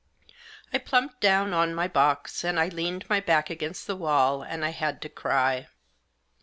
I plumped down on my box, and I leaned my back against the wall, and I had to cry.